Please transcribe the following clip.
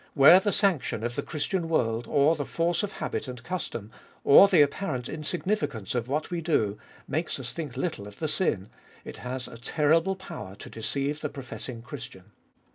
Where the sanction of the Christian world, or the force of habit and custom, or the apparent insignificance of what we do, makes us think little of the sin, it has a terrible power to deceive the professing Christian.